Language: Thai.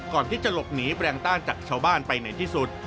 ก่อนที่จะหลบหนีแปลงต้านจากชาวบ้านไปไหนที่สุด